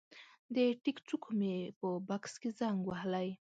د ټیک څوکو مې په بکس کې زنګ وهلی